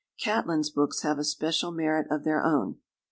Catlin's books have a special merit of their own.